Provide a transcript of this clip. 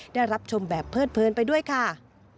ได้รับชมแบบเพิดเพลินไปด้วยค่ะ